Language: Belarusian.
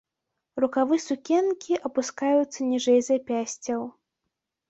Рукавы сукенкі апускаюцца ніжэй запясцяў.